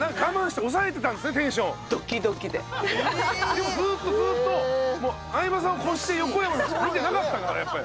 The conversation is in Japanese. でもずっとずっともう相葉さんを越して横山さんしか見てなかったからやっぱり。